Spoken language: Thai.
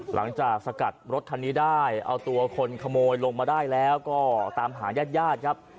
หลังจากสกัดรถทันนี้ได้เอาตัวคนขโมยลงมาได้แล้วก็ตามหายาดครับ